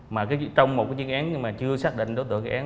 mà trong một cái dự án mà chưa xác định đối tượng cái án